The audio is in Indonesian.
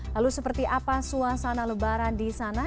lalu seperti apa suasana lebaran di sana